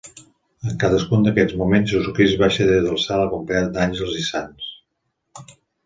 En cadascun d'aquests moments Jesucrist baixa des del cel acompanyat d'àngels i sants.